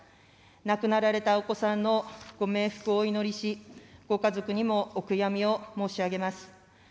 亡くなられたお子さんのご冥福をお祈りし、ご家族にもお悔やみを申し上げます。